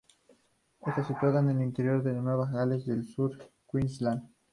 Está situada en el interior de Nueva Gales del Sur y Queensland.